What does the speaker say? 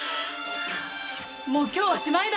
もう今日はしまいだ。